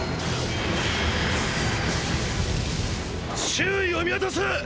周囲を見渡せ！！